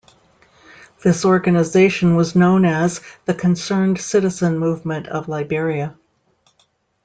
This organization was known as the concerned citizen movement of Liberia.